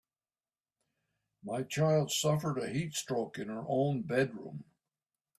My child suffered a heat stroke in her own bedroom.